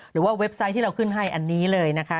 เว็บไซต์ที่เราขึ้นให้อันนี้เลยนะคะ